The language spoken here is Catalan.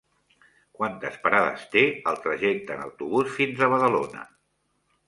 Quantes parades té el trajecte en autobús fins a Badalona?